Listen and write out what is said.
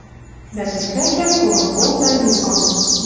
Дӓ тиштӓкен колын колта юкым: